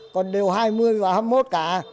còn đều hai mươi và hai mươi một cả